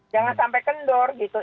jangan sampai kendor gitu